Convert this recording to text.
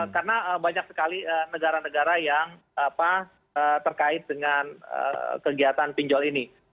karena banyak sekali negara negara yang terkait dengan kegiatan pinjol ini